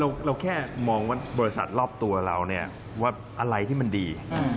คือเราแค่มองบริษัทรอบตัวเราว่าอะไรที่มันดี